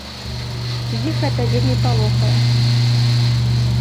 Іх гэта вельмі палохае.